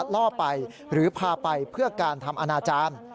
ล่อไปหรือพาไปเพื่อการทำอนาจารย์